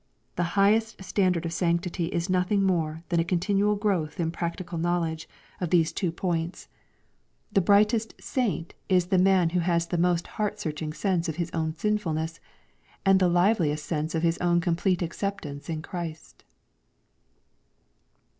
The highest standard of sanctity is nothing more than a oontinual growth in practical knowledge of these two LUKE, CHAP. XXIV. 619 points. The brightest saint is the man who has the most heart searching sense of his own sinfulness, and the live liest sense of his own complete acceptance in Christ.